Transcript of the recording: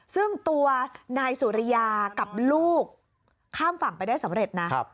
ซึ่งตัวนายสุริยากับลูกข้ามฝั่งไปได้สำเร็จนะ